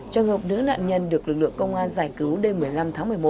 trong hợp nữ nạn nhân được lực lượng công an giải cứu đêm một mươi năm tháng một mươi một